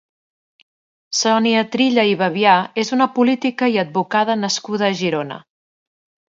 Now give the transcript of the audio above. Sònia Trilla i Bevià és una política i advocada nascuda a Girona.